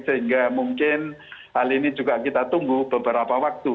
sehingga mungkin hal ini juga kita tunggu beberapa waktu